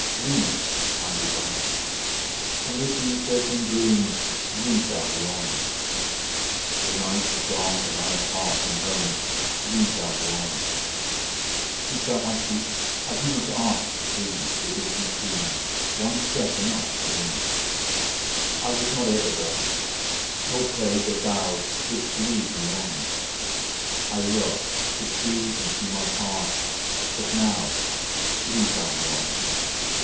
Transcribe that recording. Lead, kindly Light, amid the encircling gloom, Lead thou me on! The night is dark, and I am far from home, Lead thou me on! Keep thou my feet; I do not ask to see The distant scene, one step enough for me. I was not ever thus, nor prayed that thou Shouldst lead me on: I loved to choose and see my path, but now Lead thou me on!